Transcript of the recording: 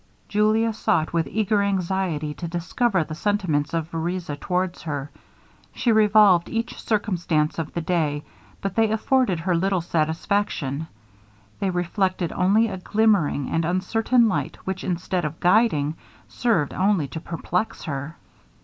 Julia sought with eager anxiety to discover the sentiments of Vereza towards her; she revolved each circumstance of the day, but they afforded her little satisfaction; they reflected only a glimmering and uncertain light, which instead of guiding, served only to perplex her.